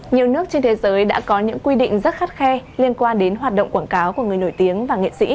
nhiều nước trên thế giới đã có những quy định rất khắt khe liên quan đến hoạt động quảng cáo của người nổi tiếng và nghệ sĩ